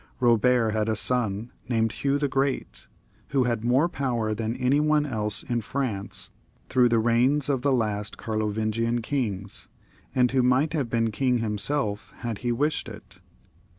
Eobert had a son, named Hugh the Great, who had more power than any one else in France through the reigns of the last Carlovingian kings, and who might have been king himself had he wished it.